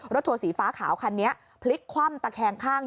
ทัวร์สีฟ้าขาวคันนี้พลิกคว่ำตะแคงข้าง